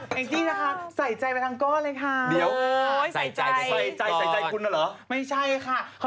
ปล่อยคุณไปเย็นตรงนู้นค่ะปล่อยค่ะ